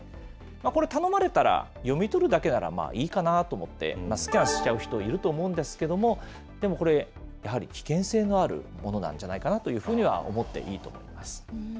これ、頼まれたら読み取るだけならいいかなと思って、スキャンしちゃう人いると思うんですけれども、でもこれ、やはり危険性のあるものなんじゃないかなというふうに思っていいと思います。